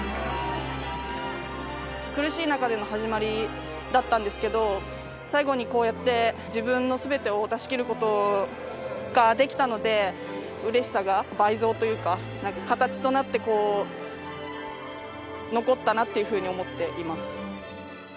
苦しい中での始まりだったんですけど、最後にこうやって、自分のすべてを出しきることができたので、うれしさが倍増というか、なんか形となって、こう残ったなというふうに思っています。